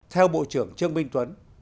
theo bộ trưởng trương minh tuấn